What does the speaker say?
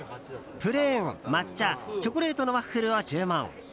プレーン、抹茶、チョコレートのワッフルを注文。